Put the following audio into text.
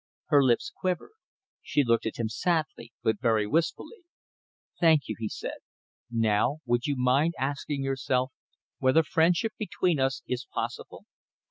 Her lips quivered. She looked at him sadly, but very wistfully. "Thank you!" he said. "Now would you mind asking yourself whether friendship between us is possible!